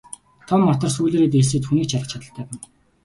Том матар сүүлээрээ дэлсээд хүнийг ч алах чадалтай гэнэ.